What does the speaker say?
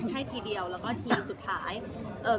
ให้ทีเดียวแล้วก็ทีสุดท้ายเอ่อ